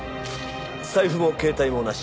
財布も携帯もなし。